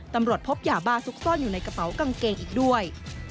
ตำรวจพบยาบ้าซุกซ่อนอยู่ในกระเป๋ากางเกงอีกด้วย